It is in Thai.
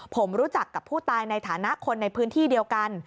ผมรู้จักกับผู้ตายในฐานะคนในพื้นที่เดียวกัน